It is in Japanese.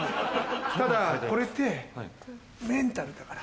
ただこれってメンタルだから。